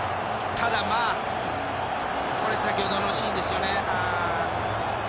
ただ、これ先ほどのシーンですね。